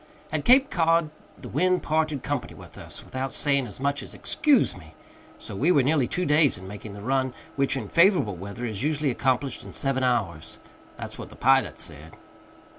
At Cape Cod the wind parted company with us without saying as much as "Excuse me"; so we were nearly two days in making the run which in favorable weather is usually accomplished in seven hours. That's what the pilot said.